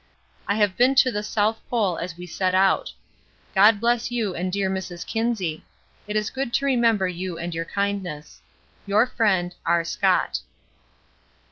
We have been to the S. pole as we set out. God bless you and dear Mrs. Kinsey. It is good to remember you and your kindness. Your friend, R. SCOTT.